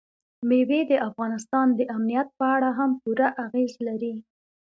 مېوې د افغانستان د امنیت په اړه هم پوره اغېز لري.